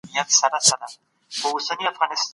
ارواپوهنه به د فردي ستونزو حل لاري پیدا کړي.